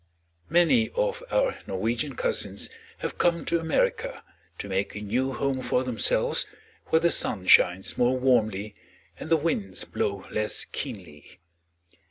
Many of our Norwegian cousins have come to America to make a new home for themselves where the sun shines more warmly and the winds blow less keenly.